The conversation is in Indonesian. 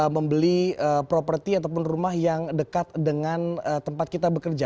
membeli properti ataupun rumah yang dekat dengan tempat kita bekerja